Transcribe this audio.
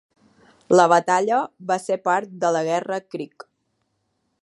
La batalla va ser part de la Guerra Creek.